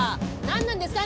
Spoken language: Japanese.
何なんですか？